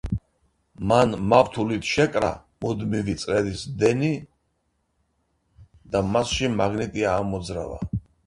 მან მავთულით შეკრა მუდმივი დენის წრედი და მასში მაგნიტი აამოძრავა.